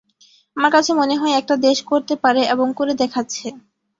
আমার কাছে মনে হয়, একটা দেশ করতে পারে এবং করে দেখাচ্ছে।